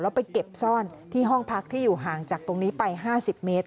แล้วไปเก็บซ่อนที่ห้องพักที่อยู่ห่างจากตรงนี้ไป๕๐เมตร